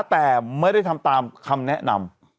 แต่ไม่ได้ทำตามคำแนะนำ